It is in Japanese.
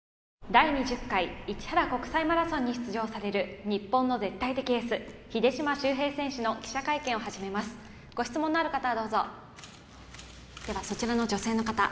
・第２０回市原国際マラソンに出場される日本の絶対的エース秀島修平選手の記者会見を始めますご質問のある方はどうぞではそちらの女性の方